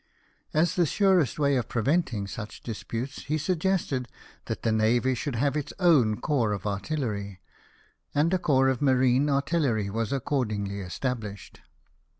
As the surest way of preventing such disputes, he suggested that the navy should have its own corps of artillery ; and a corps of marine artillery was accordingly established.